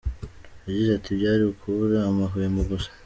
Yagize ati “Byari ukubura amahwemo gusa.